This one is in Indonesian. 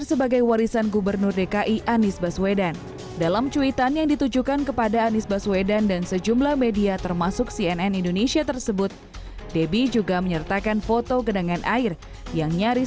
sekarang kita konsentrasi pada penanganannya